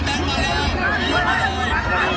มาแล้วครับพี่น้อง